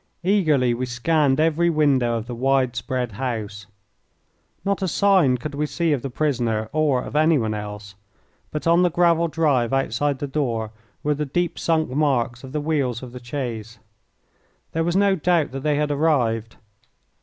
Eagerly we scanned every window of the wide spread house. Not a sign could we see of the prisoner or of anyone else; but on the gravel drive outside the door were the deep sunk marks of the wheels of the chaise. There was no doubt that they had arrived.